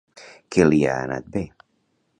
Què li ha anat bé?